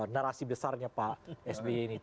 narasi besarnya pak sby ini